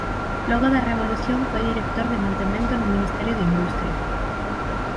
Logo da Revolución foi director de Mantemento no Ministerio de Industria.